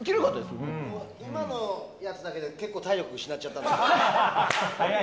もう、今のやつだけで結構体力失っちゃった。